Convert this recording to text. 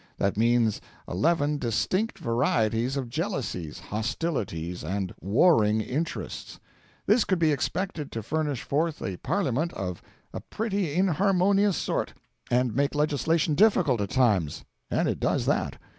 That means eleven distinct varieties of jealousies, hostilities, and warring interests. This could be expected to furnish forth a parliament of a pretty inharmonious sort, and make legislation difficult at times and it does that.